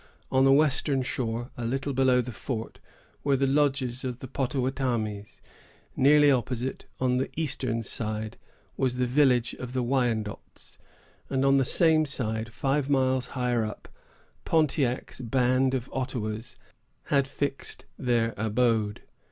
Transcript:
On the western shore, a little below the fort, were the lodges of the Pottawattamies; nearly opposite, on the eastern side, was the village of the Wyandots; and on the same side, five miles higher up, Pontiac's band of Ottawas had fixed their abode.